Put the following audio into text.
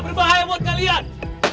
berbahaya buat kalian